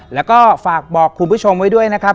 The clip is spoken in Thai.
แล้วก็ฝากบอกคุณผู้ชมไว้ด้วยนะครับ